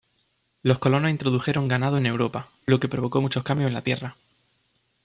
Los colonos introdujeron ganado de Europa, lo que provocó muchos cambios en la tierra.